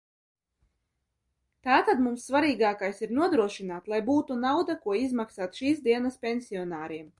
Tātad mums svarīgākais ir nodrošināt, lai būtu nauda, ko izmaksāt šīsdienas pensionāriem.